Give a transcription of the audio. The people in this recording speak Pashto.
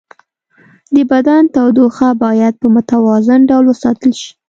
د بدن تودوخه باید په متوازن ډول وساتل شي.